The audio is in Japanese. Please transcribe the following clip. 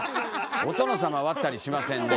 お殿様割ったりしませんね。